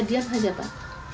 diam saja pak